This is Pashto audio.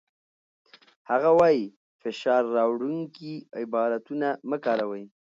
هغه وايي، فشار راوړونکي عبارتونه مه کاروئ.